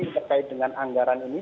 terkait dengan anggaran ini